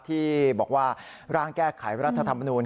ที่บอกว่าร่างแก้ไขรัฐธรรมนูล